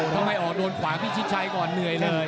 ถ้าไม่ออกโดนขวาพิชิดชัยก่อนเหนื่อยเลย